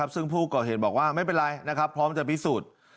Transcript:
ซึ่งผู้ก่อเหตุบอกว่าไม่เป็นไรพร้อมจะพิสูจน์